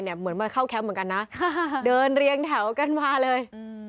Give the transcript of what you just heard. เหมือนมาเข้าแคมป์เหมือนกันนะเดินเรียงแถวกันมาเลย